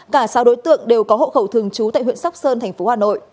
cả sáu đối tượng đều có hộ khẩu thường trú tại huyện sóc sơn tp hcm